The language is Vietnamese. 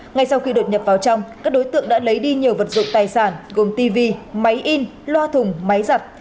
ngay sau khi đột nhập vào trong các đối tượng đã lấy đi nhiều vật dụng tài sản gồm tv máy in loa thùng máy giặt